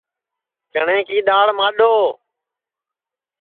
چٹؔیں کی دؔاݪ مانٚڈؔو